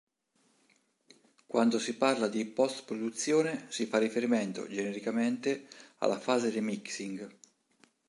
Quando si parla di post-produzione si fa riferimento, genericamente, alla fase di mixing.